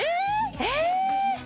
えっ！？